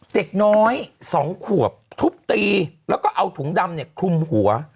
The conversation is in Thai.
เด็กน้อย๒ขวบทุบตีแล้วก็เอาถุงดำเนี่ยคลุมหัว